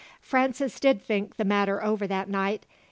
Francis did think the matter over that night.